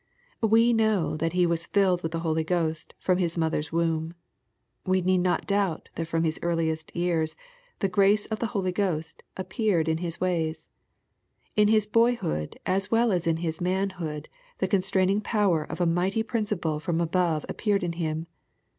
We know that he was filled with the Holy Ghost from his mother's womb. We need not doubt that from his earliest years the grace of the Holy Ghost appeared in his ways. In his boyhood as well as in his manhood the constraining power of a mighty principle from above appeared in him.